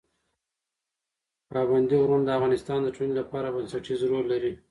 پابندي غرونه د افغانستان د ټولنې لپاره بنسټیز رول لري.